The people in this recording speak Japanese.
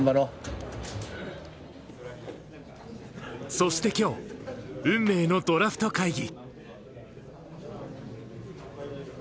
そして今日、運命のドラフト会議。